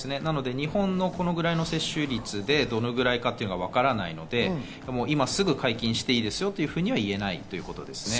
日本のこのぐらいの接種率でどのくらいかというのはわからないので、今すぐ解禁していいですよとは言えないということです。